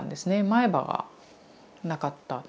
前歯がなかった。